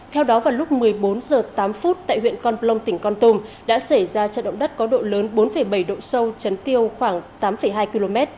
theo đó vào lúc một mươi bốn h tám tại huyện con plong tỉnh con tum đã xảy ra trận động đất có độ lớn bốn bảy độ sâu chấn tiêu khoảng tám hai km